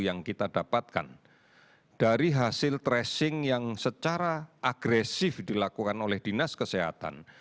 yang kita dapatkan dari hasil tracing yang secara agresif dilakukan oleh dinas kesehatan